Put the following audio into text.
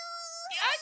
よし！